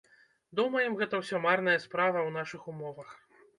Думаем, гэта ўсё марная справа ў нашых умовах.